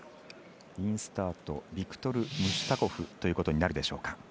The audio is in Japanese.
インスタートビクトル・ムシュタコフということになるでしょうか。